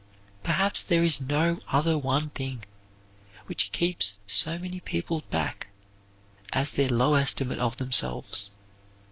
Perhaps there is no other one thing which keeps so many people back as their low estimate of themselves.